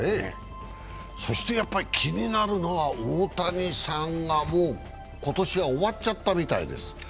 そして気になるのは大谷さんがもう今年は終わっちゃったみたいです。